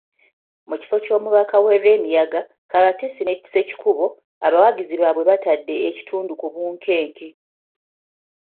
Ku kifo ky'Omubaka we Lwemiyaga, Kabatsi ne Ssekikubo, abawagizi baabwe batadde ekitundu ku bunkenke.